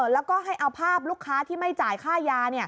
แล้วก็ให้เอาภาพลูกค้าที่ไม่จ่ายค่ายา